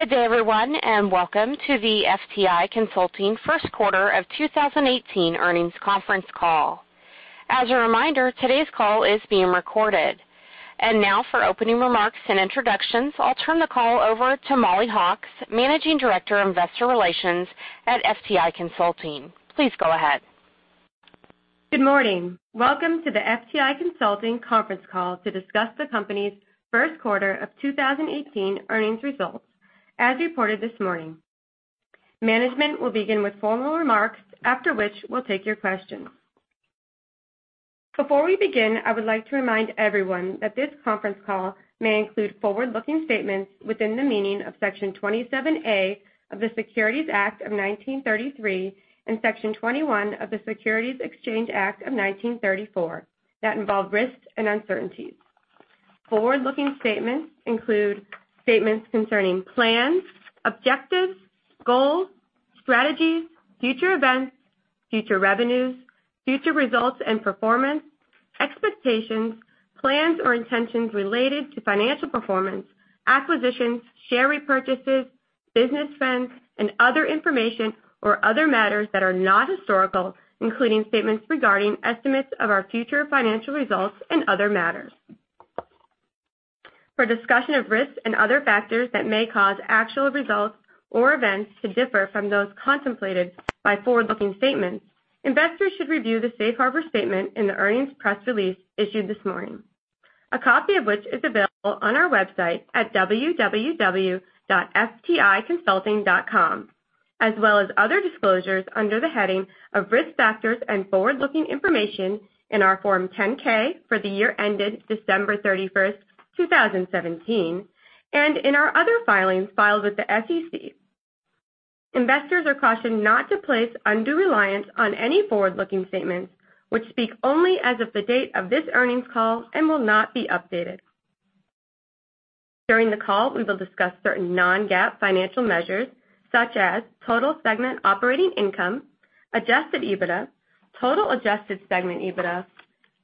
Good day everyone, welcome to the FTI Consulting first quarter of 2018 earnings conference call. As a reminder, today's call is being recorded. Now for opening remarks and introductions, I'll turn the call over to Mollie Hawkes, Managing Director of Investor Relations at FTI Consulting. Please go ahead. Good morning. Welcome to the FTI Consulting conference call to discuss the company's first quarter of 2018 earnings results, as reported this morning. Management will begin with formal remarks, after which we'll take your questions. Before we begin, I would like to remind everyone that this conference call may include forward-looking statements within the meaning of Section 27A of the Securities Act of 1933 and Section 21E of the Securities Exchange Act of 1934 that involve risks and uncertainties. Forward-looking statements include statements concerning plans, objectives, goals, strategies, future events, future revenues, future results and performance, expectations, plans or intentions related to financial performance, acquisitions, share repurchases, business trends, and other information or other matters that are not historical, including statements regarding estimates of our future financial results and other matters. For discussion of risks and other factors that may cause actual results or events to differ from those contemplated by forward-looking statements, investors should review the safe harbor statement in the earnings press release issued this morning, a copy of which is available on our website at www.fticonsulting.com, as well as other disclosures under the heading of Risk Factors & Forward-Looking Information in our Form 10-K for the year ended December 31st, 2017, and in our other filings filed with the SEC. Investors are cautioned not to place undue reliance on any forward-looking statements, which speak only as of the date of this earnings call and will not be updated. During the call, we will discuss certain non-GAAP financial measures, such as total segment operating income, adjusted EBITDA, total adjusted segment EBITDA,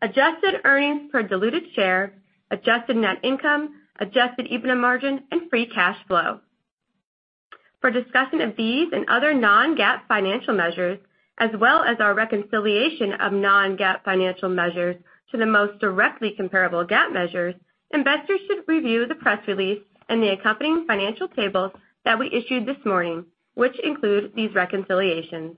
adjusted earnings per diluted share, adjusted net income, adjusted EBITDA margin, and free cash flow. For discussion of these and other non-GAAP financial measures, as well as our reconciliation of non-GAAP financial measures to the most directly comparable GAAP measures, investors should review the press release and the accompanying financial table that we issued this morning, which include these reconciliations.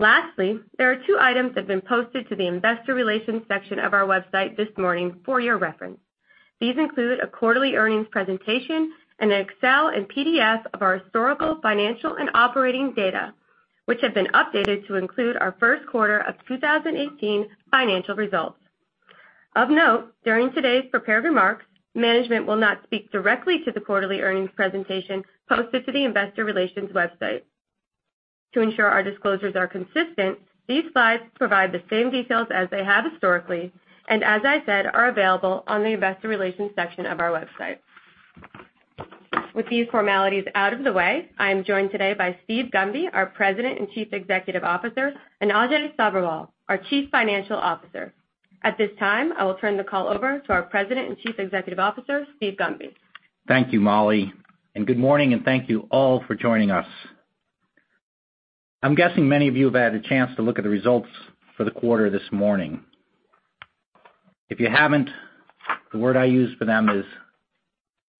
Lastly, there are two items that have been posted to the investor relations section of our website this morning for your reference. These include a quarterly earnings presentation and an Excel and PDF of our historical financial and operating data, which have been updated to include our first quarter of 2018 financial results. Of note, during today's prepared remarks, management will not speak directly to the quarterly earnings presentation posted to the investor relations website. To ensure our disclosures are consistent, these slides provide the same details as they have historically, as I said, are available on the investor relations section of our website. With these formalities out of the way, I am joined today by Steven Gunby, our President and Chief Executive Officer, and Ajay Sabherwal, our Chief Financial Officer. At this time, I will turn the call over to our President and Chief Executive Officer, Steven Gunby. Thank you, Mollie, good morning, and thank you all for joining us. I'm guessing many of you have had a chance to look at the results for the quarter this morning. If you haven't, the word I use for them is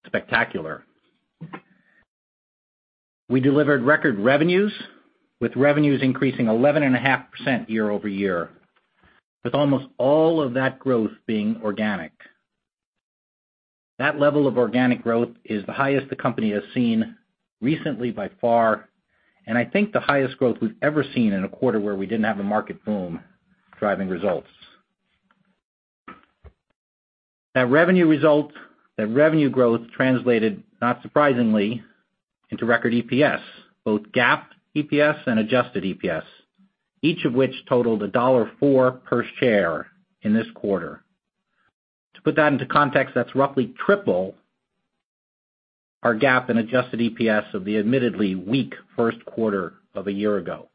spectacular. We delivered record revenues, with revenues increasing 11.5% year-over-year, with almost all of that growth being organic. That level of organic growth is the highest the company has seen recently by far, and I think the highest growth we've ever seen in a quarter where we didn't have a market boom driving results. That revenue growth translated not surprisingly into record EPS, both GAAP EPS and adjusted EPS, each of which totaled $1.04 per share in this quarter. To put that into context, that's roughly triple our GAAP and adjusted EPS of the admittedly weak first quarter of a year ago.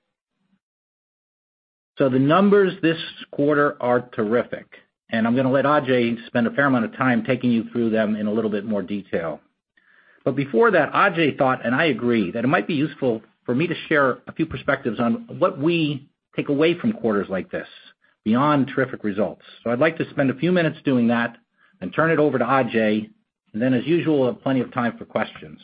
The numbers this quarter are terrific, I'm going to let Ajay spend a fair amount of time taking you through them in a little bit more detail. Before that, Ajay thought, and I agree, that it might be useful for me to share a few perspectives on what we take away from quarters like this beyond terrific results. I'd like to spend a few minutes doing that and turn it over to Ajay, then as usual, have plenty of time for questions.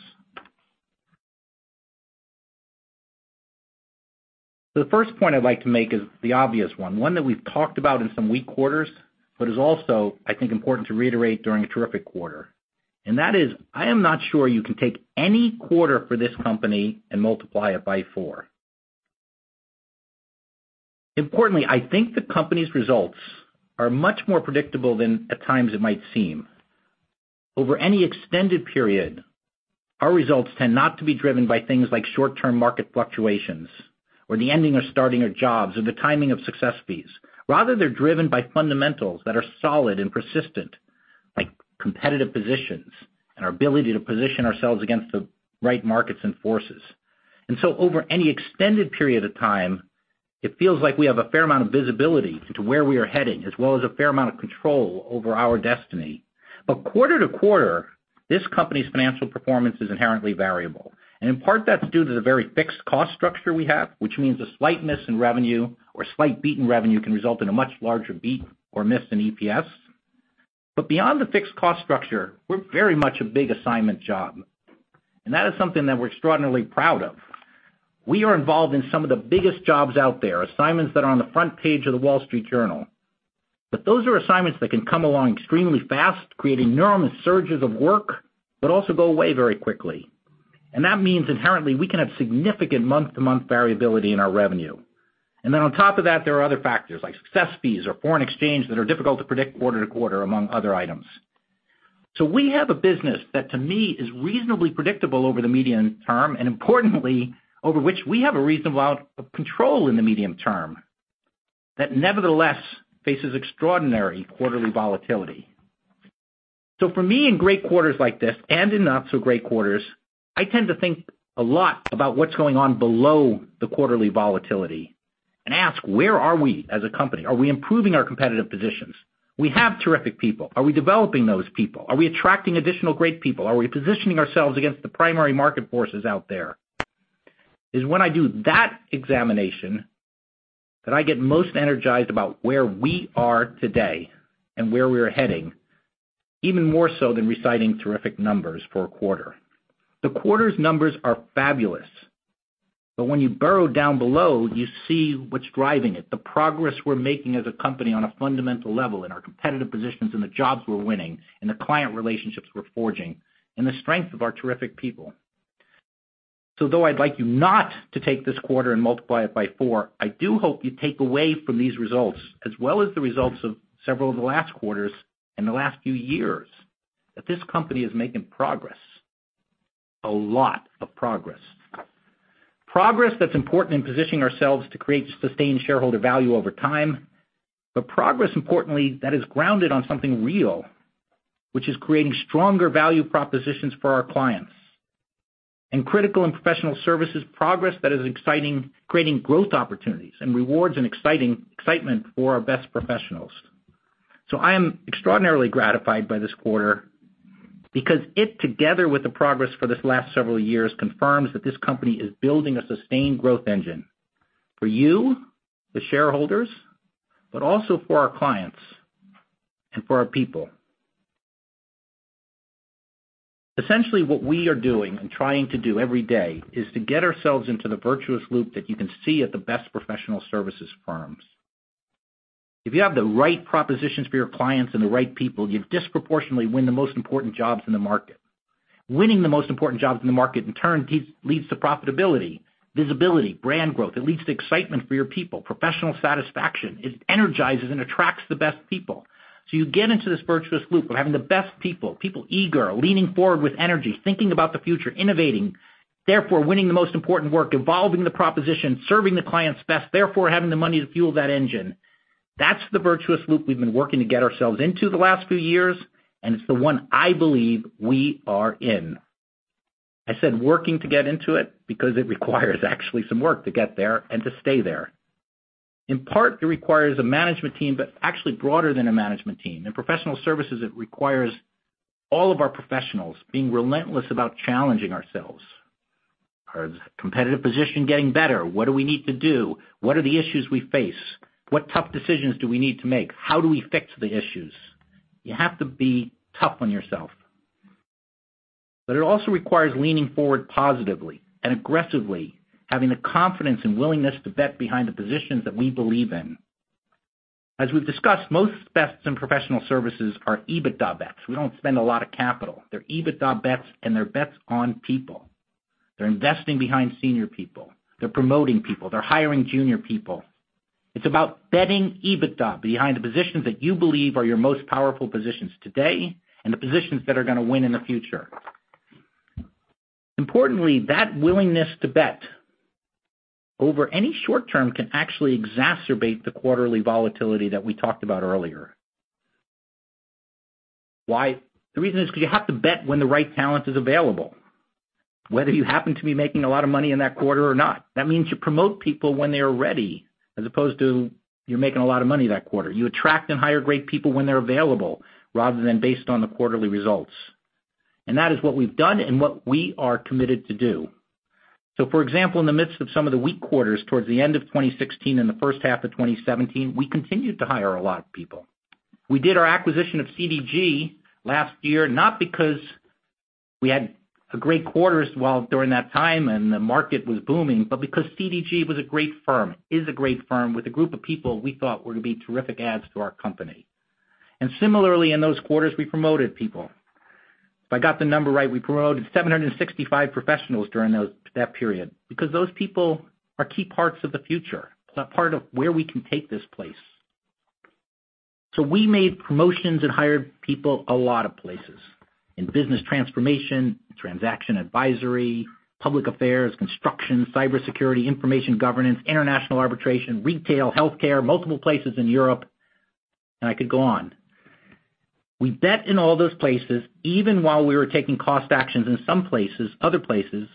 The first point I'd like to make is the obvious one that we've talked about in some weak quarters, but is also, I think, important to reiterate during a terrific quarter. That is, I am not sure you can take any quarter for this company and multiply it by four. Importantly, I think the company's results are much more predictable than at times it might seem. Over any extended period, our results tend not to be driven by things like short-term market fluctuations or the ending or starting of jobs or the timing of success fees. Rather, they're driven by fundamentals that are solid and persistent, like competitive positions and our ability to position ourselves against the right markets and forces. Over any extended period of time, it feels like we have a fair amount of visibility into where we are heading, as well as a fair amount of control over our destiny. Quarter to quarter, this company's financial performance is inherently variable. In part, that's due to the very fixed cost structure we have, which means a slight miss in revenue or a slight beat in revenue can result in a much larger beat or miss in EPS. Beyond the fixed cost structure, we're very much a big assignment job, and that is something that we're extraordinarily proud of. We are involved in some of the biggest jobs out there, assignments that are on the front page of The Wall Street Journal. Those are assignments that can come along extremely fast, creating enormous surges of work, but also go away very quickly. That means inherently, we can have significant month-to-month variability in our revenue. On top of that, there are other factors like success fees or foreign exchange that are difficult to predict quarter-to-quarter, among other items. We have a business that, to me, is reasonably predictable over the medium term, and importantly, over which we have a reasonable amount of control in the medium term, that nevertheless faces extraordinary quarterly volatility. For me, in great quarters like this and in not so great quarters, I tend to think a lot about what's going on below the quarterly volatility and ask, where are we as a company? Are we improving our competitive positions? We have terrific people. Are we developing those people? Are we attracting additional great people? Are we positioning ourselves against the primary market forces out there? It is when I do that examination that I get most energized about where we are today and where we are heading, even more so than reciting terrific numbers for a quarter. The quarter's numbers are fabulous. When you burrow down below, you see what's driving it, the progress we're making as a company on a fundamental level in our competitive positions and the jobs we're winning and the client relationships we're forging and the strength of our terrific people. Though I'd like you not to take this quarter and multiply it by 4, I do hope you take away from these results, as well as the results of several of the last quarters and the last few years, that this company is making progress, a lot of progress. Progress that's important in positioning ourselves to create sustained shareholder value over time. Progress, importantly, that is grounded on something real, which is creating stronger value propositions for our clients. In critical and professional services progress that is exciting, creating growth opportunities and rewards and excitement for our best professionals. I am extraordinarily gratified by this quarter because it, together with the progress for these last several years, confirms that this company is building a sustained growth engine for you, the shareholders, but also for our clients and for our people. Essentially, what we are doing and trying to do every day is to get ourselves into the virtuous loop that you can see at the best professional services firms. If you have the right propositions for your clients and the right people, you disproportionately win the most important jobs in the market. Winning the most important jobs in the market, in turn, leads to profitability, visibility, brand growth. It leads to excitement for your people, professional satisfaction. It energizes and attracts the best people. You get into this virtuous loop of having the best people eager, leaning forward with energy, thinking about the future, innovating, therefore winning the most important work, evolving the proposition, serving the clients best, therefore having the money to fuel that engine. That's the virtuous loop we've been working to get ourselves into the last few years, and it's the one I believe we are in. I said working to get into it because it requires actually some work to get there and to stay there. In part, it requires a management team, but actually broader than a management team. In professional services, it requires all of our professionals being relentless about challenging ourselves. Is our competitive position getting better? What do we need to do? What are the issues we face? What tough decisions do we need to make? How do we fix the issues? You have to be tough on yourself. It also requires leaning forward positively and aggressively, having the confidence and willingness to bet behind the positions that we believe in. As we've discussed, most bets in professional services are EBITDA bets. We don't spend a lot of capital. They're EBITDA bets, and they're bets on people. They're investing behind senior people. They're promoting people. They're hiring junior people. It's about betting EBITDA behind the positions that you believe are your most powerful positions today and the positions that are going to win in the future. Importantly, that willingness to bet over any short term can actually exacerbate the quarterly volatility that we talked about earlier. Why? The reason is because you have to bet when the right talent is available, whether you happen to be making a lot of money in that quarter or not. That means you promote people when they are ready as opposed to you're making a lot of money that quarter. You attract and hire great people when they're available rather than based on the quarterly results. That is what we've done and what we are committed to do. For example, in the midst of some of the weak quarters towards the end of 2016 and the first half of 2017, we continued to hire a lot of people. We did our acquisition of CDG last year, not because we had a great quarter while during that time and the market was booming, but because CDG was a great firm, is a great firm with a group of people we thought were going to be terrific adds to our company. Similarly, in those quarters, we promoted people. If I got the number right, we promoted 765 professionals during that period because those people are key parts of the future. It's a part of where we can take this place. We made promotions and hired people a lot of places, in business transformation, transaction advisory, public affairs, construction, cybersecurity, information governance, international arbitration, retail, healthcare, multiple places in Europe, and I could go on. We bet in all those places, even while we were taking cost actions in some places, other places,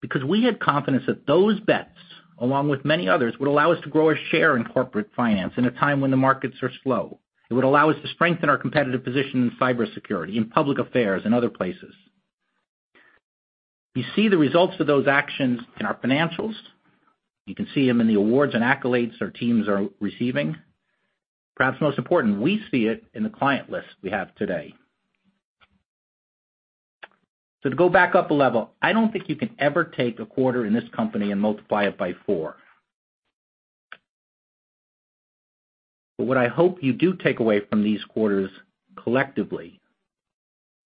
because we had confidence that those bets, along with many others, would allow us to grow our share in Corporate Finance in a time when the markets are slow. It would allow us to strengthen our competitive position in cybersecurity, in public affairs, and other places. You see the results of those actions in our financials. You can see them in the awards and accolades our teams are receiving. Perhaps most important, we see it in the client list we have today. To go back up a level, I don't think you can ever take a quarter in this company and multiply it by four. What I hope you do take away from these quarters collectively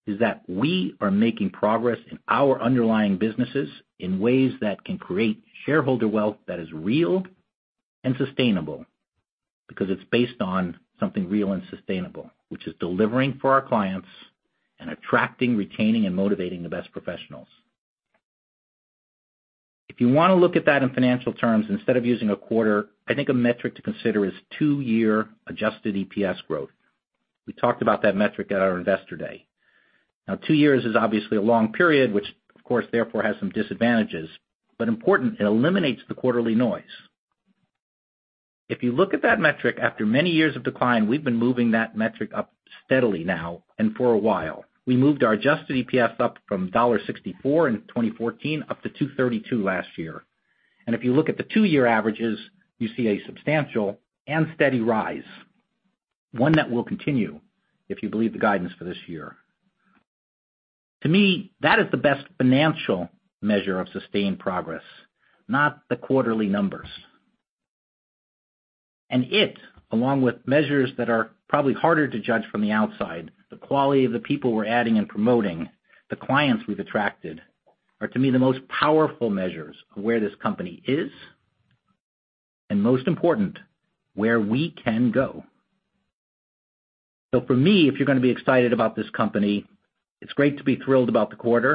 is that we are making progress in our underlying businesses in ways that can create shareholder wealth that is real and sustainable because it's based on something real and sustainable. Which is delivering for our clients and attracting, retaining, and motivating the best professionals. If you want to look at that in financial terms, instead of using a quarter, I think a metric to consider is two-year adjusted EPS growth. We talked about that metric at our Investor Day. Two years is obviously a long period, which of course, therefore, has some disadvantages, important, it eliminates the quarterly noise. If you look at that metric after many years of decline, we've been moving that metric up steadily now and for a while. We moved our adjusted EPS up from $1.64 in 2014 up to $2.32 last year. If you look at the two-year averages, you see a substantial and steady rise, one that will continue if you believe the guidance for this year. To me, that is the best financial measure of sustained progress, not the quarterly numbers. It, along with measures that are probably harder to judge from the outside, the quality of the people we're adding and promoting, the clients we've attracted, are to me the most powerful measures of where this company is, and most important, where we can go. For me, if you're going to be excited about this company, it's great to be thrilled about the quarter,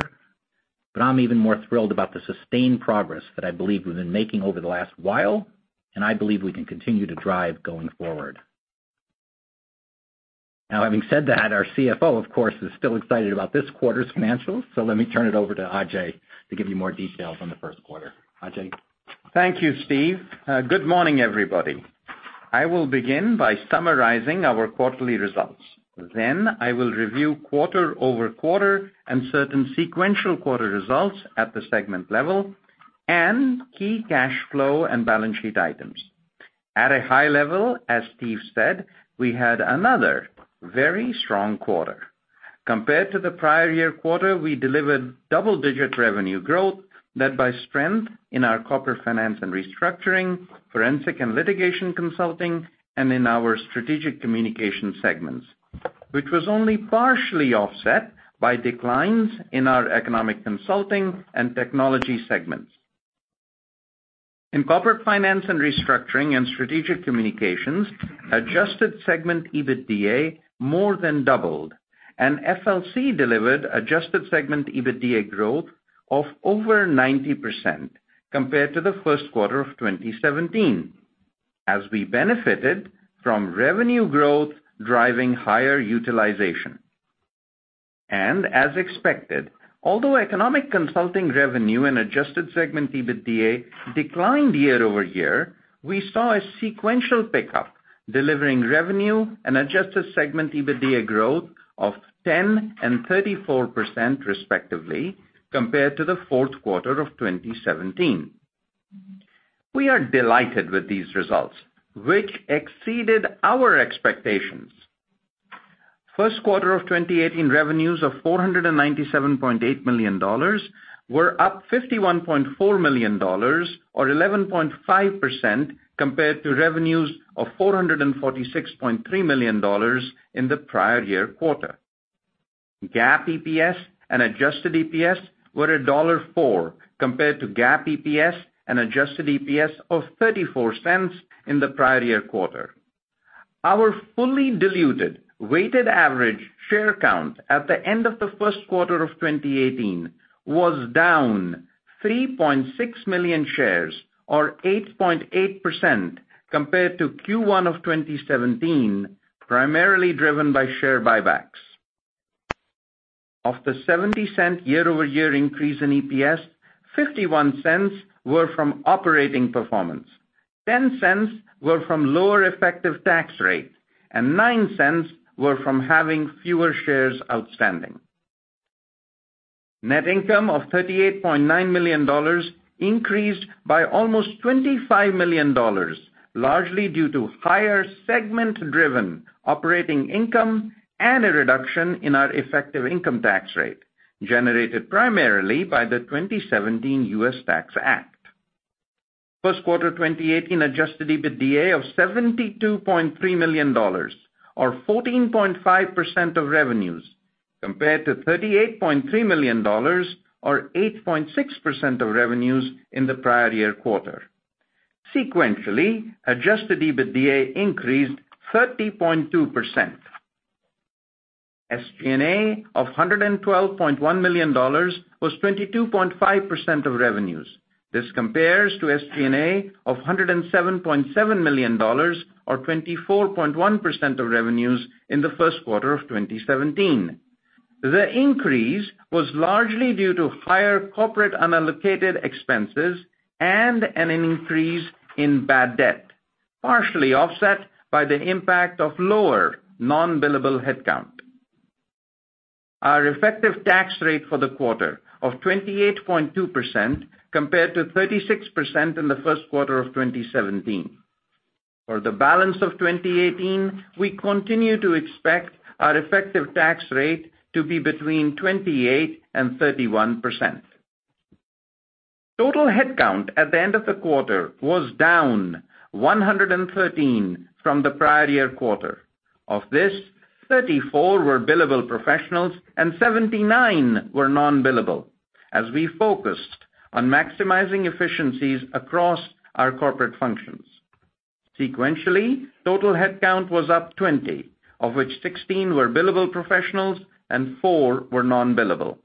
but I'm even more thrilled about the sustained progress that I believe we've been making over the last while, and I believe we can continue to drive going forward. Having said that, our CFO, of course, is still excited about this quarter's financials. Let me turn it over to Ajay to give you more details on the first quarter. Ajay? Thank you, Steve. Good morning, everybody. I will begin by summarizing our quarterly results. I will review quarter-over-quarter and certain sequential quarter results at the segment level and key cash flow and balance sheet items. At a high level, as Steve said, we had another very strong quarter. Compared to the prior year quarter, we delivered double-digit revenue growth led by strength in our Corporate Finance & Restructuring, Forensic and Litigation Consulting, and in our Strategic Communications segments, which was only partially offset by declines in our Economic Consulting and Technology segments. In Corporate Finance & Restructuring and Strategic Communications, adjusted segment EBITDA more than doubled, and FLC delivered adjusted segment EBITDA growth of over 90% compared to the first quarter of 2017 as we benefited from revenue growth driving higher utilization. As expected, although Economic Consulting revenue and adjusted segment EBITDA declined year-over-year, we saw a sequential pickup, delivering revenue and adjusted segment EBITDA growth of 10% and 34%, respectively, compared to the fourth quarter of 2017. We are delighted with these results, which exceeded our expectations. First quarter of 2018 revenues of $497.8 million were up $51.4 million, or 11.5%, compared to revenues of $446.3 million in the prior year quarter. GAAP EPS and adjusted EPS were $1.04 compared to GAAP EPS and adjusted EPS of $0.34 in the prior year quarter. Our fully diluted weighted average share count at the end of the first quarter of 2018 was down 3.6 million shares or 8.8% compared to Q1 of 2017, primarily driven by share buybacks. Of the $0.70 year-over-year increase in EPS, $0.51 were from operating performance, $0.10 were from lower effective tax rate, and $0.09 were from having fewer shares outstanding. Net income of $38.9 million increased by almost $25 million, largely due to higher segment-driven operating income and a reduction in our effective income tax rate generated primarily by the 2017 U.S. Tax Act. First quarter 2018 adjusted EBITDA of $72.3 million, or 14.5% of revenues, compared to $38.3 million, or 8.6% of revenues in the prior year quarter. Sequentially, adjusted EBITDA increased 30.2%. SG&A of $112.1 million was 22.5% of revenues. This compares to SG&A of $107.7 million or 24.1% of revenues in the first quarter of 2017. The increase was largely due to higher corporate unallocated expenses and an increase in bad debt, partially offset by the impact of lower non-billable headcount. Our effective tax rate for the quarter of 28.2% compared to 36% in the first quarter of 2017. For the balance of 2018, we continue to expect our effective tax rate to be between 28% and 31%. Total headcount at the end of the quarter was down 113 from the prior year quarter. Of this, 34 were billable professionals and 79 were non-billable as we focused on maximizing efficiencies across our corporate functions. Sequentially, total headcount was up 20, of which 16 were billable professionals and four were non-billable.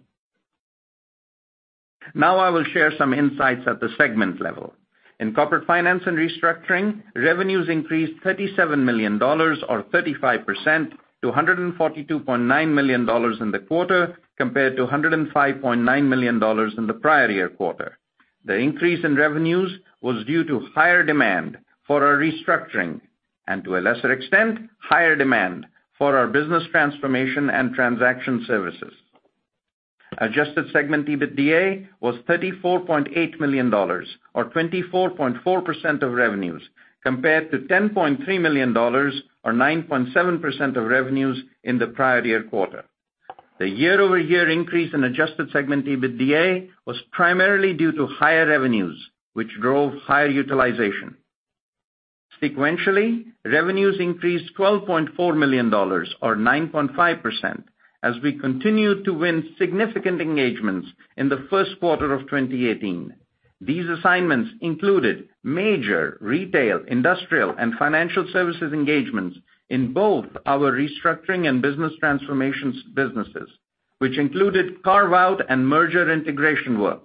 Now I will share some insights at the segment level. In Corporate Finance & Restructuring, revenues increased $37 million or 35% to $142.9 million in the quarter, compared to $105.9 million in the prior year quarter. The increase in revenues was due to higher demand for our restructuring and, to a lesser extent, higher demand for our business transformation and transaction services. Adjusted segment EBITDA was $34.8 million or 24.4% of revenues, compared to $10.3 million or 9.7% of revenues in the prior year quarter. The year-over-year increase in adjusted segment EBITDA was primarily due to higher revenues, which drove higher utilization. Sequentially, revenues increased $12.4 million or 9.5% as we continued to win significant engagements in the first quarter of 2018. These assignments included major retail, industrial and financial services engagements in both our restructuring and business transformations businesses, which included carve-out and merger integration work.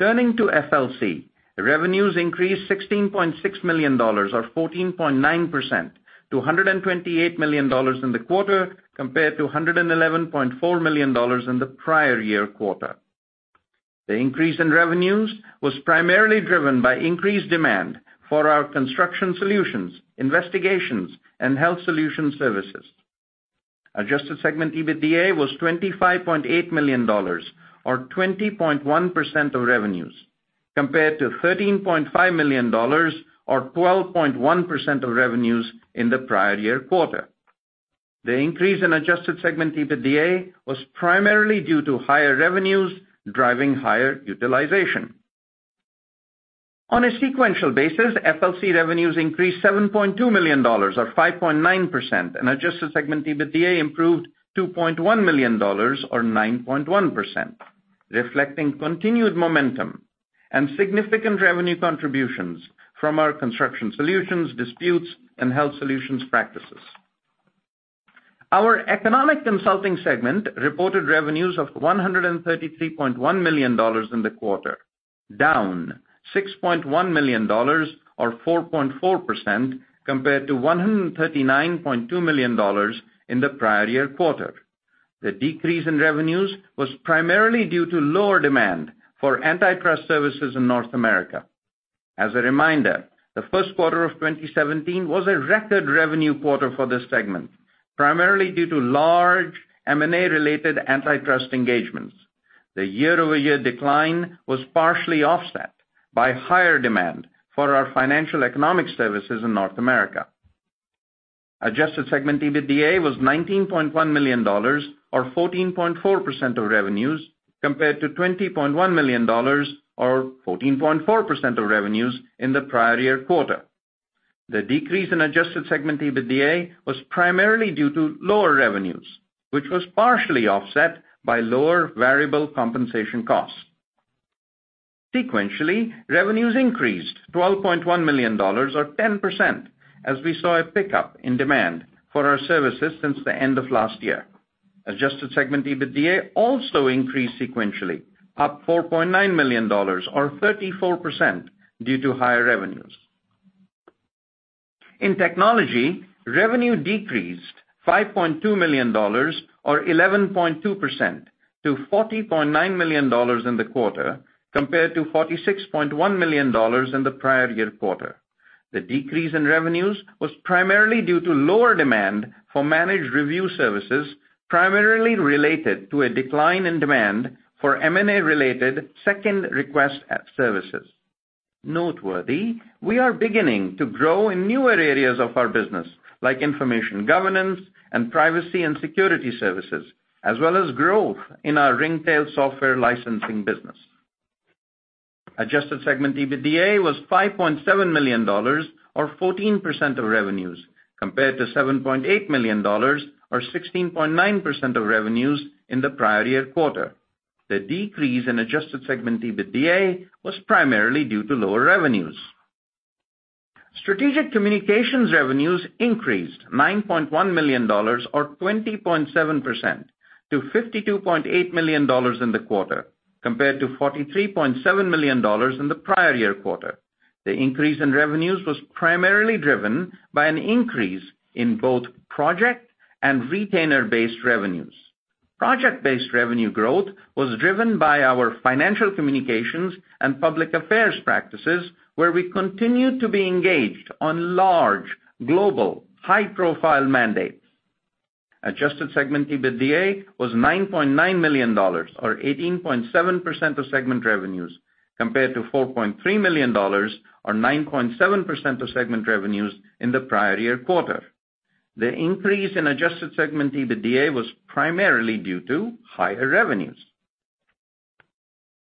Turning to FLC, revenues increased $16.6 million or 14.9% to $128 million in the quarter compared to $111.4 million in the prior year quarter. The increase in revenues was primarily driven by increased demand for our Construction Solutions, investigations and health solution services. Adjusted segment EBITDA was $25.8 million or 20.1% of revenues compared to $13.5 million or 12.1% of revenues in the prior year quarter. The increase in adjusted segment EBITDA was primarily due to higher revenues driving higher utilization. On a sequential basis, FLC revenues increased $7.2 million or 5.9%, and adjusted segment EBITDA improved $2.1 million or 9.1%, reflecting continued momentum and significant revenue contributions from our Construction Solutions, disputes and health solutions practices. Our Economic Consulting segment reported revenues of $133.1 million in the quarter, down $6.1 million or 4.4% compared to $139.2 million in the prior year quarter. The decrease in revenues was primarily due to lower demand for antitrust services in North America. As a reminder, the first quarter of 2017 was a record revenue quarter for this segment, primarily due to large M&A-related antitrust engagements. The year-over-year decline was partially offset by higher demand for our financial economic services in North America. Adjusted segment EBITDA was $19.1 million or 14.4% of revenues compared to $20.1 million or 14.4% of revenues in the prior year quarter. The decrease in adjusted segment EBITDA was primarily due to lower revenues, which was partially offset by lower variable compensation costs. Sequentially, revenues increased $12.1 million or 10% as we saw a pickup in demand for our services since the end of last year. Adjusted segment EBITDA also increased sequentially, up $4.9 million or 34% due to higher revenues. In Technology, revenue decreased $5.2 million or 11.2% to $40.9 million in the quarter compared to $46.1 million in the prior year quarter. The decrease in revenues was primarily due to lower demand for managed review services, primarily related to a decline in demand for M&A-related second request services. Noteworthy, we are beginning to grow in newer areas of our business, like information governance and privacy and security services, as well as growth in our Ringtail software licensing business. Adjusted segment EBITDA was $5.7 million or 14% of revenues compared to $7.8 million or 16.9% of revenues in the prior year quarter. The decrease in adjusted segment EBITDA was primarily due to lower revenues. Strategic Communications revenues increased $9.1 million or 20.7% to $52.8 million in the quarter, compared to $43.7 million in the prior year quarter. The increase in revenues was primarily driven by an increase in both project and retainer-based revenues. Project-based revenue growth was driven by our financial communications and public affairs practices, where we continued to be engaged on large, global, high-profile mandates. Adjusted segment EBITDA was $9.9 million or 18.7% of segment revenues, compared to $4.3 million or 9.7% of segment revenues in the prior year quarter. The increase in adjusted segment EBITDA was primarily due to higher revenues.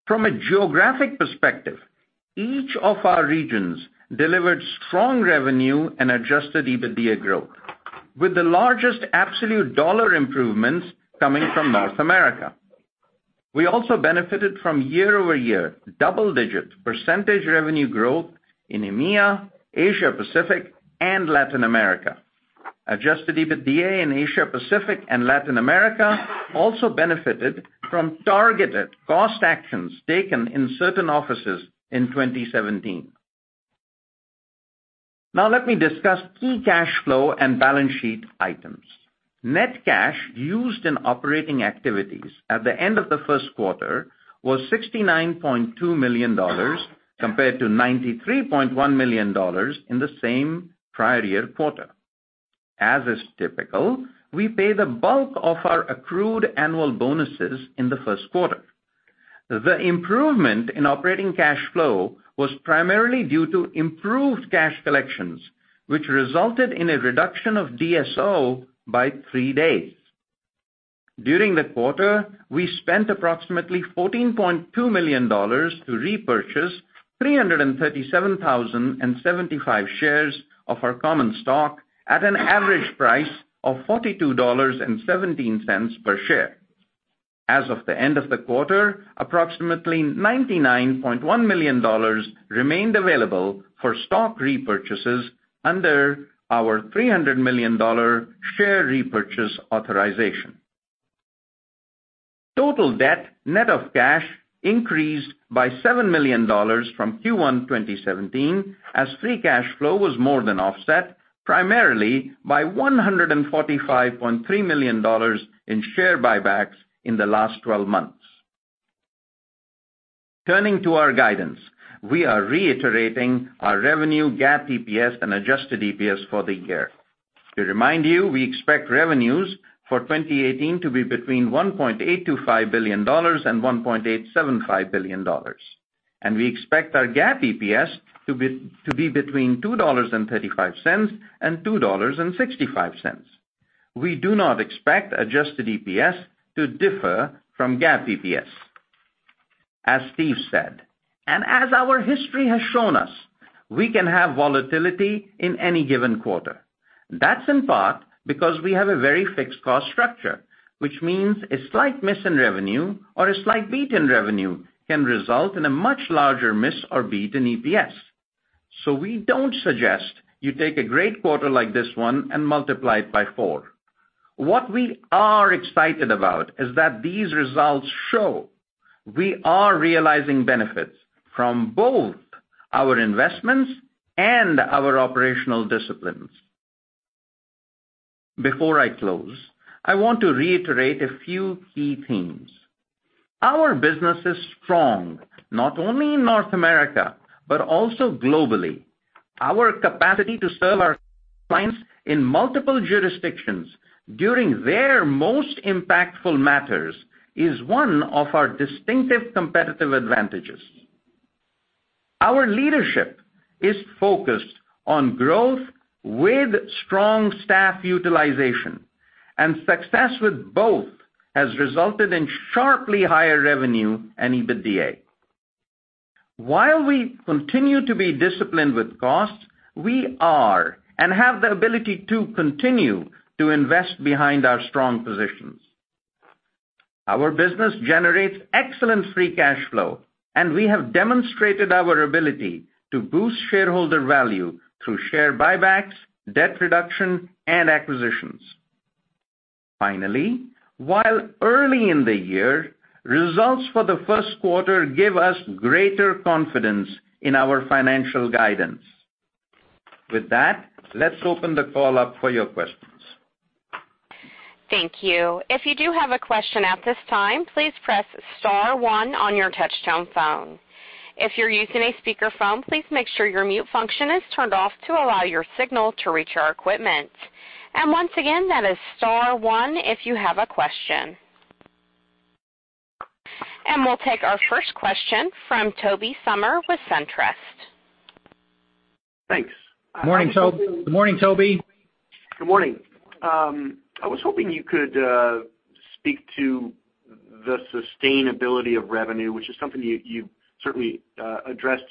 From a geographic perspective, each of our regions delivered strong revenue and adjusted EBITDA growth, with the largest absolute dollar improvements coming from North America. We also benefited from year-over-year double-digit percentage revenue growth in EMEA, Asia Pacific, and Latin America. Adjusted EBITDA in Asia Pacific and Latin America also benefited from targeted cost actions taken in certain offices in 2017. Let me discuss key cash flow and balance sheet items. Net cash used in operating activities at the end of the first quarter was $69.2 million, compared to $93.1 million in the same prior year quarter. As is typical, we pay the bulk of our accrued annual bonuses in the first quarter. The improvement in operating cash flow was primarily due to improved cash collections, which resulted in a reduction of DSO by three days. During the quarter, we spent approximately $14.2 million to repurchase 337,075 shares of our common stock at an average price of $42.17 per share. As of the end of the quarter, approximately $99.1 million remained available for stock repurchases under our $300 million share repurchase authorization. Total debt, net of cash, increased by $7 million from Q1 2017 as free cash flow was more than offset, primarily by $145.3 million in share buybacks in the last 12 months. Turning to our guidance, we are reiterating our revenue, GAAP EPS, and adjusted EPS for the year. To remind you, we expect revenues for 2018 to be between $1.825 billion and $1.875 billion, and we expect our GAAP EPS to be between $2.35 and $2.65. We do not expect adjusted EPS to differ from GAAP EPS. As Steve said, as our history has shown us, we can have volatility in any given quarter. That's in part because we have a very fixed cost structure, which means a slight miss in revenue or a slight beat in revenue can result in a much larger miss or beat in EPS. We don't suggest you take a great quarter like this one and multiply it by four. What we are excited about is that these results show we are realizing benefits from both our investments and our operational disciplines. Before I close, I want to reiterate a few key themes. Our business is strong, not only in North America, but also globally. Our capacity to serve our clients in multiple jurisdictions during their most impactful matters is one of our distinctive competitive advantages. Our leadership is focused on growth with strong staff utilization, and success with both has resulted in sharply higher revenue and EBITDA. While we continue to be disciplined with costs, we are, and have the ability to continue to invest behind our strong positions. Our business generates excellent free cash flow, and we have demonstrated our ability to boost shareholder value through share buybacks, debt reduction, and acquisitions. Finally, while early in the year, results for the first quarter give us greater confidence in our financial guidance. With that, let's open the call up for your questions. Thank you. If you do have a question at this time, please press star one on your touchtone phone. If you're using a speakerphone, please make sure your mute function is turned off to allow your signal to reach our equipment. Once again, that is star one if you have a question. We'll take our first question from Tobey Sommer with SunTrust. Thanks. Morning, Tobey. Good morning. I was hoping you could speak to the sustainability of revenue, which is something you've certainly addressed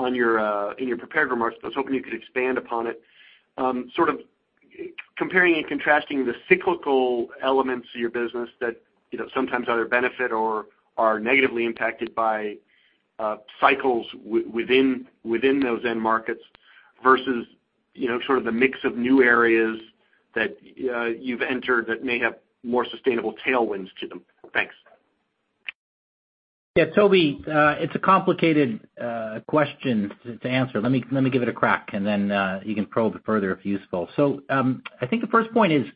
in your prepared remarks, but I was hoping you could expand upon it. Sort of Comparing and contrasting the cyclical elements of your business that sometimes either benefit or are negatively impacted by cycles within those end markets versus sort of the mix of new areas that you've entered that may have more sustainable tailwinds to them. Thanks. Yeah, Tobey, it's a complicated question to answer. Let me give it a crack, then you can probe it further if useful. I think the first point is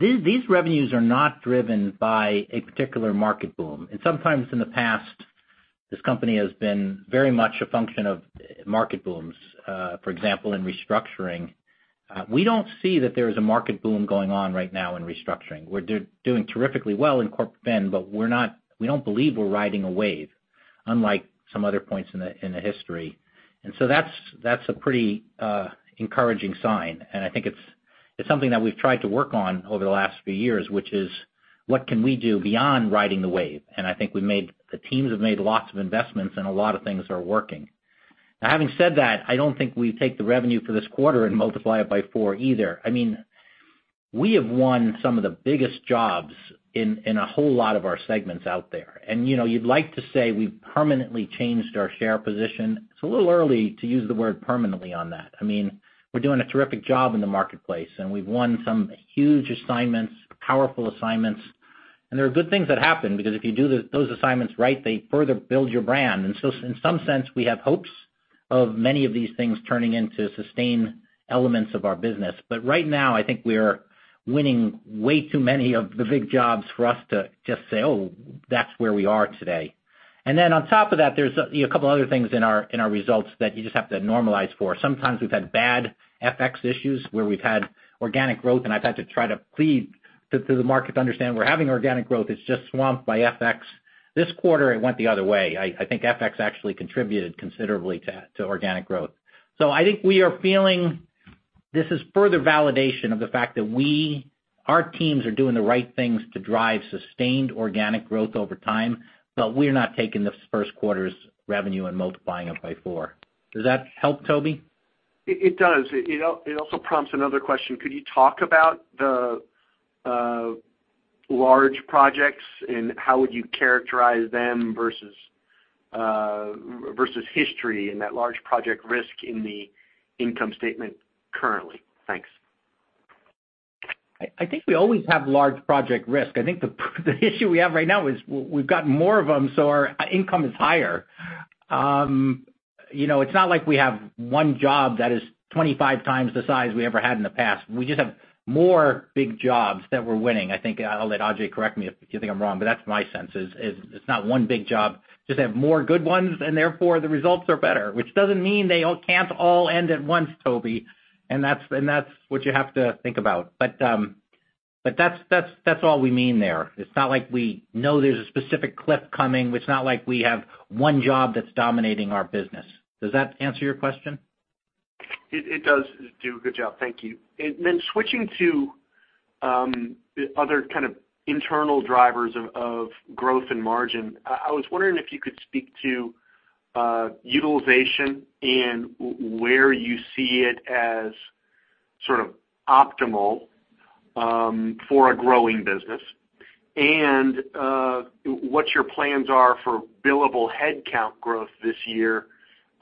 these revenues are not driven by a particular market boom. Sometimes in the past, this company has been very much a function of market booms. For example, in restructuring. We don't see that there is a market boom going on right now in restructuring. We're doing terrifically well in Corp Fin, we don't believe we're riding a wave, unlike some other points in the history. That's a pretty encouraging sign, I think it's something that we've tried to work on over the last few years, which is what can we do beyond riding the wave. I think the teams have made lots of investments and a lot of things are working. Now, having said that, I don't think we take the revenue for this quarter and multiply it by four either. I mean, we have won some of the biggest jobs in a whole lot of our segments out there. You'd like to say we've permanently changed our share position. It's a little early to use the word permanently on that. I mean, we're doing a terrific job in the marketplace, We've won some huge assignments, powerful assignments, There are good things that happen because if you do those assignments right, they further build your brand. In some sense, we have hopes of many of these things turning into sustained elements of our business. Right now, I think we are winning way too many of the big jobs for us to just say, "Oh, that's where we are today." On top of that, there's a couple other things in our results that you just have to normalize for. Sometimes we've had bad FX issues where we've had organic growth, and I've had to try to plead to the market to understand we're having organic growth. It's just swamped by FX. This quarter, it went the other way. I think FX actually contributed considerably to organic growth. I think we are feeling this is further validation of the fact that our teams are doing the right things to drive sustained organic growth over time, but we're not taking this first quarter's revenue and multiplying it by four. Does that help, Tobey? It does. It also prompts another question. Could you talk about the large projects, and how would you characterize them versus history and that large project risk in the income statement currently? Thanks. I think we always have large project risk. I think the issue we have right now is we've got more of them, so our income is higher. It's not like we have one job that is 25 times the size we ever had in the past. We just have more big jobs that we're winning. I'll let Ajay correct me if you think I'm wrong, but that's my sense is it's not one big job, just have more good ones, and therefore the results are better, which doesn't mean they can't all end at once, Tobey. That's what you have to think about. That's all we mean there. It's not like we know there's a specific cliff coming. It's not like we have one job that's dominating our business. Does that answer your question? It does do. Good job. Thank you. Switching to other kind of internal drivers of growth and margin. I was wondering if you could speak to utilization and where you see it as sort of optimal for a growing business. What your plans are for billable headcount growth this year.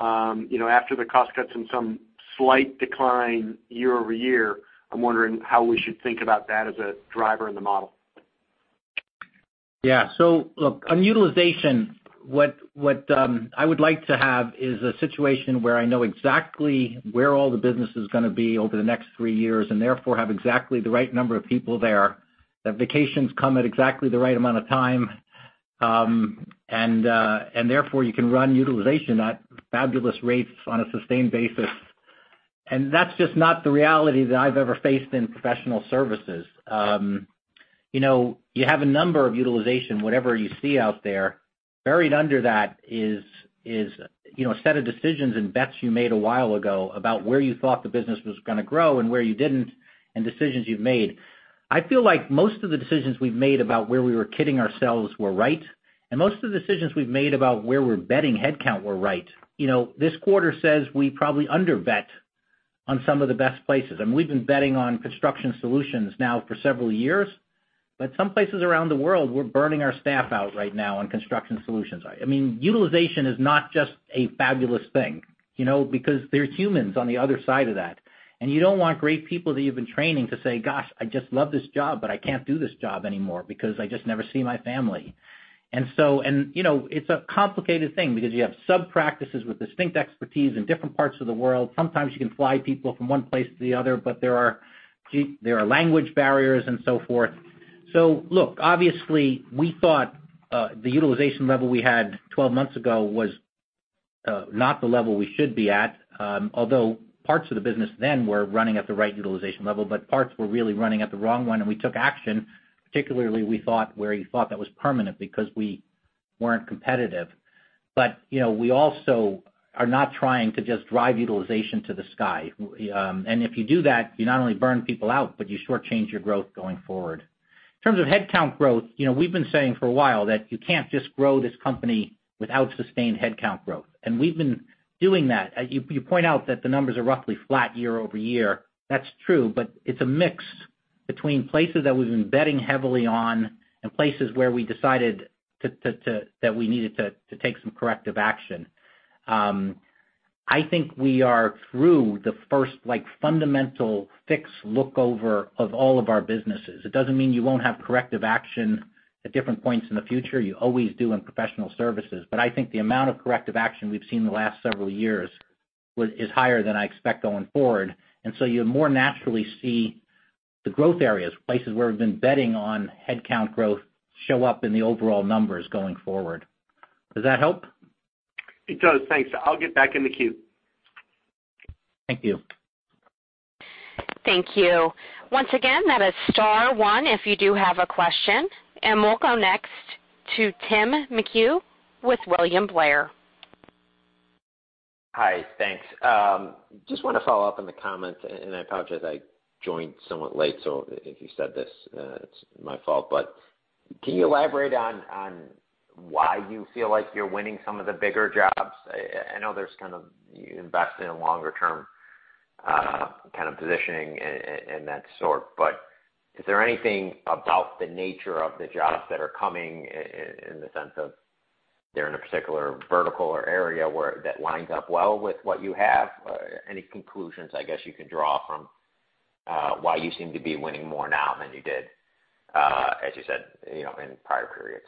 After the cost cuts and some slight decline year-over-year, I'm wondering how we should think about that as a driver in the model. Yeah. Look, on utilization, what I would like to have is a situation where I know exactly where all the business is going to be over the next three years, and therefore have exactly the right number of people there, that vacations come at exactly the right amount of time, and therefore you can run utilization at fabulous rates on a sustained basis. That's just not the reality that I've ever faced in professional services. You have a number of utilization, whatever you see out there. Buried under that is a set of decisions and bets you made a while ago about where you thought the business was going to grow and where you didn't, and decisions you've made. I feel like most of the decisions we've made about where we were kidding ourselves were right, and most of the decisions we've made about where we're betting headcount were right. This quarter says we probably under-bet on some of the best places, and we've been betting on Construction Solutions now for several years. Some places around the world, we're burning our staff out right now on Construction Solutions. I mean, utilization is not just a fabulous thing because there's humans on the other side of that, and you don't want great people that you've been training to say, "Gosh, I just love this job, but I can't do this job anymore because I just never see my family." It's a complicated thing because you have sub-practices with distinct expertise in different parts of the world. Sometimes you can fly people from one place to the other, but there are language barriers and so forth. Look, obviously, we thought the utilization level we had 12 months ago was not the level we should be at. Although parts of the business then were running at the right utilization level, but parts were really running at the wrong one and we took action, particularly where you thought that was permanent because we weren't competitive. We also are not trying to just drive utilization to the sky. If you do that, you not only burn people out, but you shortchange your growth going forward. In terms of headcount growth, we've been saying for a while that you can't just grow this company without sustained headcount growth, and we've been doing that. You point out that the numbers are roughly flat year-over-year. That's true, but it's a mix between places that we've been betting heavily on and places where we decided that we needed to take some corrective action. I think we are through the first fundamental, fixed look over of all of our businesses. It doesn't mean you won't have corrective action at different points in the future. You always do in professional services. I think the amount of corrective action we've seen in the last several years is higher than I expect going forward. You'll more naturally see the growth areas, places where we've been betting on headcount growth, show up in the overall numbers going forward. Does that help? It does. Thanks. I'll get back in the queue. Thank you. Thank you. Once again, that is star one if you do have a question. We'll go next to Tim McHugh with William Blair. Hi, thanks. Just want to follow up on the comments, and I apologize, I joined somewhat late, so if you said this, it's my fault. Can you elaborate on why you feel like you're winning some of the bigger jobs? I know there's kind of, you invest in a longer-term kind of positioning and that sort, but is there anything about the nature of the jobs that are coming in the sense of they're in a particular vertical or area where that lines up well with what you have? Any conclusions, I guess, you can draw from why you seem to be winning more now than you did, as you said, in prior periods?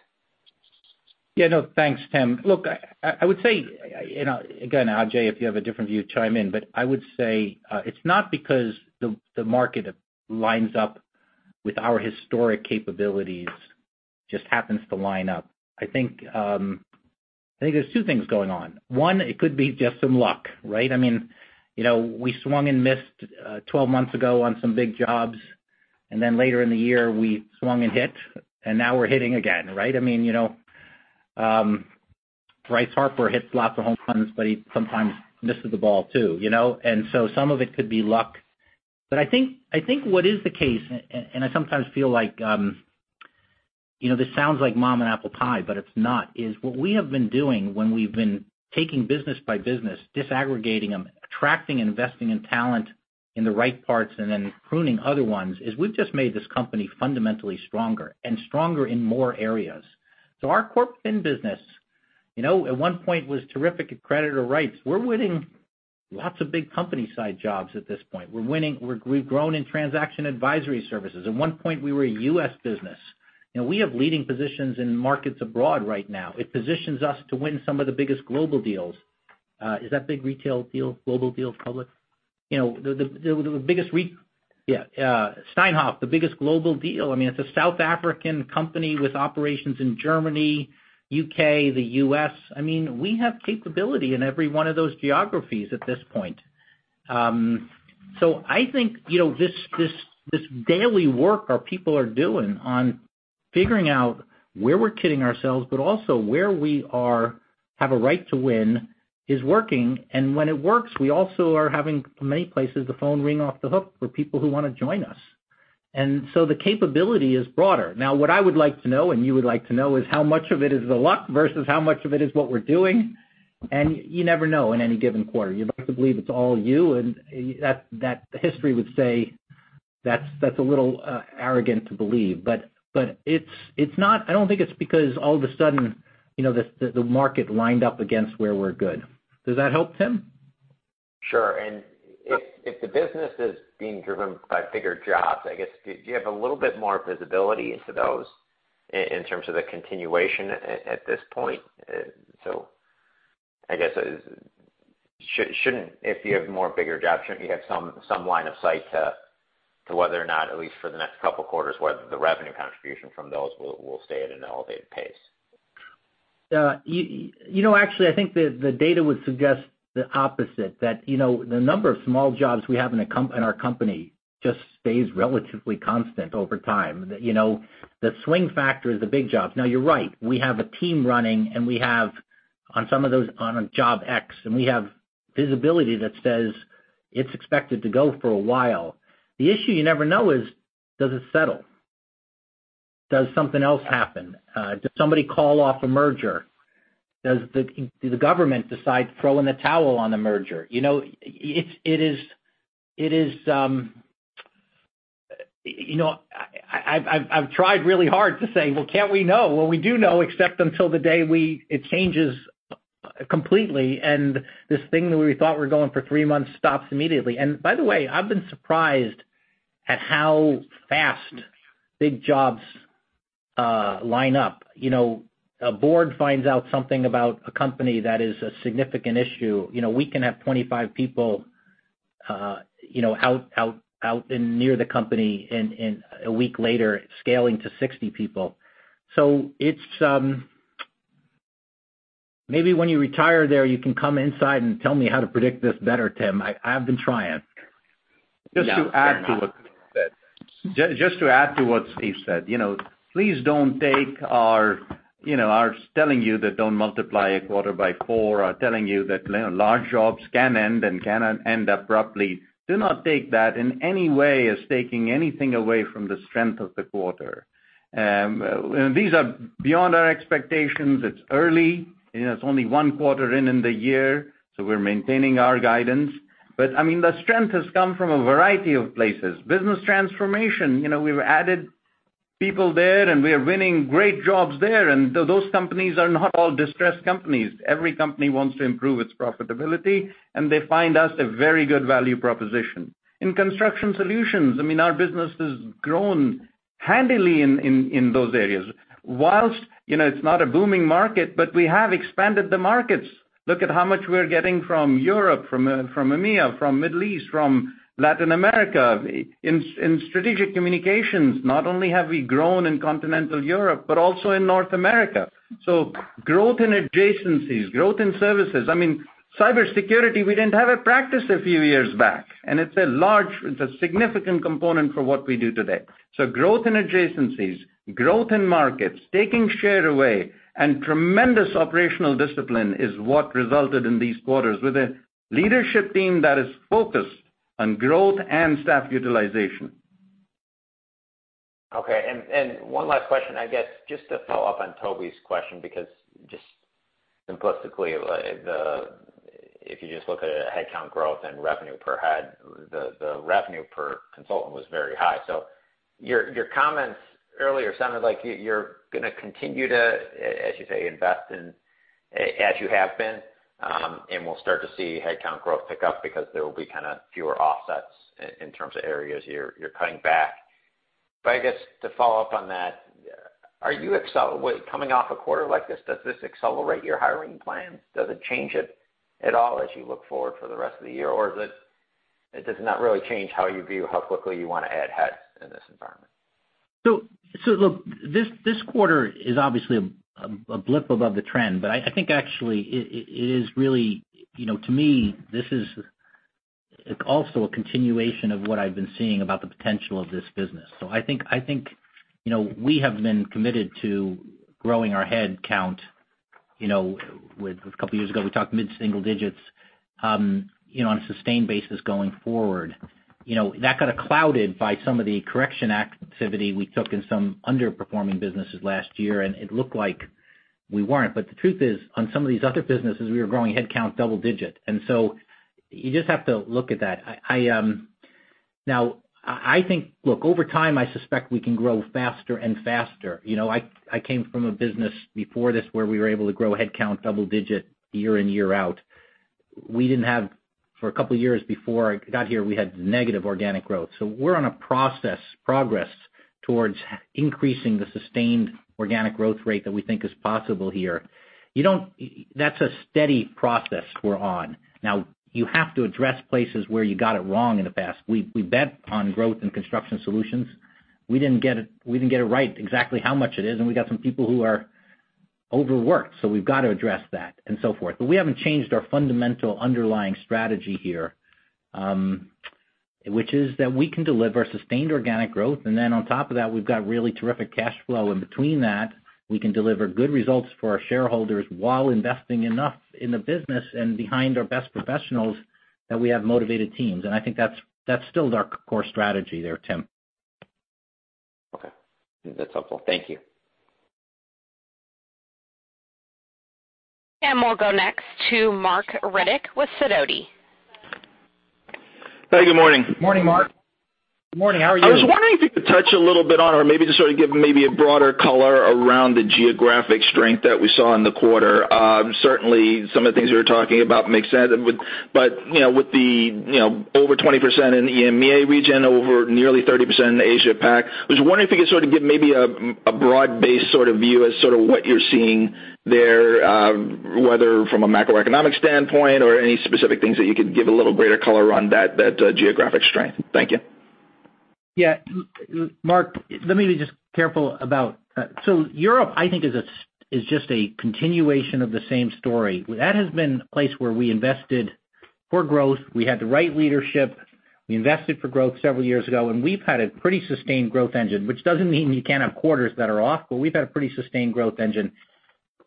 Yeah, no. Thanks, Tim. Look, I would say, again, Ajay, if you have a different view, chime in, but I would say it's not because the market lines up with our historic capabilities, just happens to line up. I think there's two things going on. One, it could be just some luck, right? We swung and missed 12 months ago on some big jobs, and then later in the year we swung and hit, and now we're hitting again, right? Bryce Harper hits lots of home runs, but he sometimes misses the ball, too. Some of it could be luck. I think what is the case, and I sometimes feel like this sounds like mom and apple pie, but it's not, is what we have been doing when we've been taking business by business, disaggregating them, attracting and investing in talent in the right parts, and then pruning other ones, is we've just made this company fundamentally stronger and stronger in more areas. Our Corp Fin business, at one point was terrific at creditor rights. We're winning lots of big company-side jobs at this point. We've grown in transaction advisory services. At one point, we were a U.S. business. We have leading positions in markets abroad right now. It positions us to win some of the biggest global deals. Is that big retail deal, global deal public? Steinhoff, the biggest global deal. It's a South African company with operations in Germany, U.K., the U.S. We have capability in every one of those geographies at this point. I think, this daily work our people are doing on figuring out where we're kidding ourselves, but also where we have a right to win, is working. When it works, we also are having, in many places, the phone ring off the hook for people who want to join us. The capability is broader. Now, what I would like to know, and you would like to know, is how much of it is the luck versus how much of it is what we're doing. You never know in any given quarter. You'd like to believe it's all you, and history would say that's a little arrogant to believe. I don't think it's because all of a sudden, the market lined up against where we're good. Does that help, Tim? Sure. If the business is being driven by bigger jobs, I guess, do you have a little bit more visibility into those in terms of the continuation at this point? I guess, if you have more bigger jobs, shouldn't you have some line of sight to whether or not, at least for the next couple of quarters, whether the revenue contribution from those will stay at an elevated pace? Actually, I think the data would suggest the opposite, that the number of small jobs we have in our company just stays relatively constant over time. The swing factor is the big jobs. Now, you're right. We have a team running, and we have on some of those, on a job X, and we have visibility that says it's expected to go for a while. The issue you never know is, does it settle? Does something else happen? Does somebody call off a merger? Does the government decide to throw in the towel on the merger? I've tried really hard to say, "Well, can't we know?" Well, we do know, except until the day it changes completely, and this thing that we thought were going for three months stops immediately. By the way, I've been surprised at how fast big jobs line up. A board finds out something about a company that is a significant issue. We can have 25 people out and near the company, a week later, scaling to 60 people. Maybe when you retire there, you can come inside and tell me how to predict this better, Tim. I've been trying. Just to add to what Steve said. Please don't take our telling you that don't multiply a quarter by four, our telling you that large jobs can end and can end abruptly. Do not take that in any way as taking anything away from the strength of the quarter. These are beyond our expectations. It's early. It's only one quarter in the year, we're maintaining our guidance. The strength has come from a variety of places. Business transformation. We've added people there, we are winning great jobs there. Those companies are not all distressed companies. Every company wants to improve its profitability, they find us a very good value proposition. In Construction Solutions, our business has grown handily in those areas. Whilst it's not a booming market, we have expanded the markets. Look at how much we're getting from Europe, from EMEA, from Middle East, from Latin America. In Strategic Communications, not only have we grown in continental Europe, but also in North America. Growth in adjacencies, growth in services. Cybersecurity, we didn't have a practice a few years back, and it's a significant component for what we do today. Growth in adjacencies, growth in markets, taking share away, and tremendous operational discipline is what resulted in these quarters with a leadership team that is focused on growth and staff utilization. Okay. One last question, I guess, just to follow up on Tobey's question, because just simplistically, if you just look at headcount growth and revenue per head, the revenue per consultant was very high. Your comments earlier sounded like you're going to continue to, as you say, invest in as you have been, and we'll start to see headcount growth pick up because there will be kind of fewer offsets in terms of areas you're cutting back. I guess to follow up on that, coming off a quarter like this, does this accelerate your hiring plans? Does it change it at all as you look forward for the rest of the year? Or does it not really change how you view how quickly you want to add heads in this environment? Look, this quarter is obviously a blip above the trend, but I think actually it is really, to me, this is also a continuation of what I've been seeing about the potential of this business. I think we have been committed to growing our headcount, a couple of years ago, we talked mid-single digits, on a sustained basis going forward. That got clouded by some of the correction activity we took in some underperforming businesses last year, and it looked like we weren't. But the truth is, on some of these other businesses, we were growing headcount double digit. You just have to look at that. Now, I think, look, over time, I suspect we can grow faster and faster. I came from a business before this where we were able to grow headcount double digit year in, year out. We didn't have for a couple of years before I got here, we had negative organic growth. We're on a progress towards increasing the sustained organic growth rate that we think is possible here. That's a steady process we're on. Now, you have to address places where you got it wrong in the past. We bet on growth Construction Solutions. We didn't get it right exactly how much it is, and we got some people who are overworked, so we've got to address that and so forth. We haven't changed our fundamental underlying strategy here, which is that we can deliver sustained organic growth, and then on top of that, we've got really terrific cash flow. In between that, we can deliver good results for our shareholders while investing enough in the business and behind our best professionals that we have motivated teams. I think that's still our core strategy there, Tim. Okay. That's helpful. Thank you. We'll go next to Marc Riddick with Sidoti. Hey, good morning. Morning, Marc. Good morning. How are you? I was wondering if you could touch a little bit on, or maybe just sort of give maybe a broader color around the geographic strength that we saw in the quarter. Certainly, some of the things you were talking about make sense, but with the over 20% in the EMEA region, over nearly 30% in Asia Pac, I was wondering if you could sort of give maybe a broad-based sort of view as sort of what you're seeing there, whether from a macroeconomic standpoint or any specific things that you could give a little greater color on that geographic strength. Thank you. Marc, let me be just careful about Europe, I think is just a continuation of the same story. That has been a place where we invested for growth. We had the right leadership. We invested for growth several years ago, and we've had a pretty sustained growth engine, which doesn't mean you can't have quarters that are off, but we've had a pretty sustained growth engine.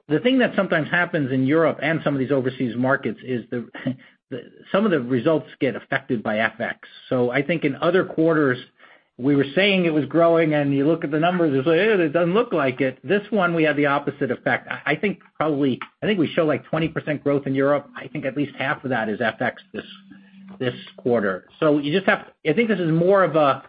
The thing that sometimes happens in Europe and some of these overseas markets is some of the results get affected by FX. I think in other quarters, we were saying it was growing, and you look at the numbers and say, "Eh, it doesn't look like it." This one, we have the opposite effect. I think we show, like, 20% growth in Europe. I think at least half of that is FX this quarter. I think this is more of a,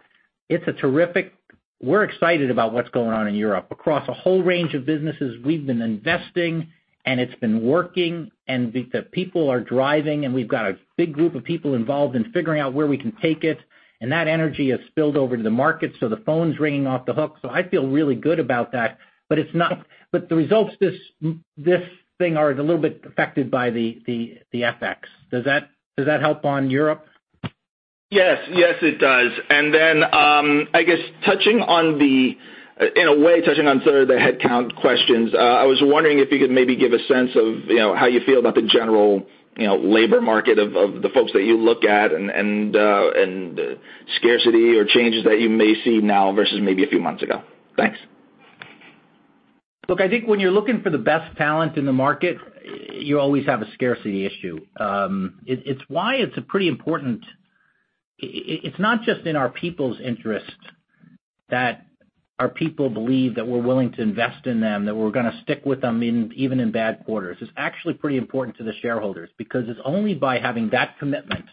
we're excited about what's going on in Europe. Across a whole range of businesses, we've been investing, and it's been working, and the people are driving, and we've got a big group of people involved in figuring out where we can take it, and that energy has spilled over to the market, so the phone's ringing off the hook. I feel really good about that, but the results this thing are a little bit affected by the FX. Does that help on Europe? Yes, it does. Then, I guess, in a way, touching on sort of the headcount questions, I was wondering if you could maybe give a sense of how you feel about the general labor market of the folks that you look at and scarcity or changes that you may see now versus maybe a few months ago. Thanks. Look, I think when you're looking for the best talent in the market, you always have a scarcity issue. It's not just in our people's interest that our people believe that we're willing to invest in them, that we're going to stick with them even in bad quarters. It's actually pretty important to the shareholders because it's only by having that commitment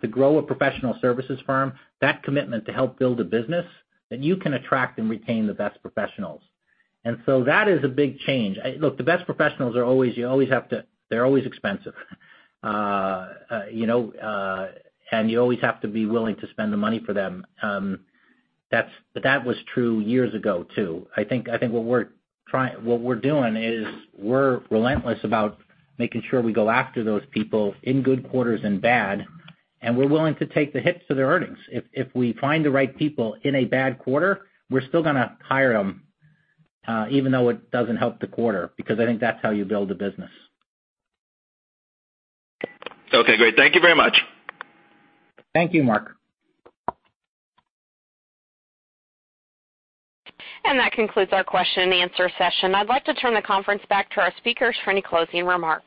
to grow a professional services firm, that commitment to help build a business, that you can attract and retain the best professionals. That is a big change. Look, the best professionals, they're always expensive. You always have to be willing to spend the money for them. That was true years ago, too. I think what we're doing is we're relentless about making sure we go after those people in good quarters and bad, and we're willing to take the hits to the earnings. If we find the right people in a bad quarter, we're still going to hire them, even though it doesn't help the quarter, because I think that's how you build a business. Okay, great. Thank you very much. Thank you, Marc. That concludes our question and answer session. I'd like to turn the conference back to our speakers for any closing remarks.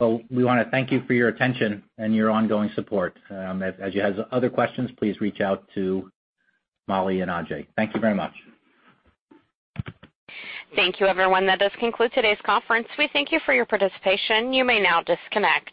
Well, we want to thank you for your attention and your ongoing support. As you have other questions, please reach out to Mollie and Ajay. Thank you very much. Thank you, everyone. That does conclude today's conference. We thank you for your participation. You may now disconnect.